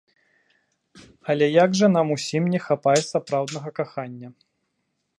Але як жа нам усім не хапае сапраўднага кахання!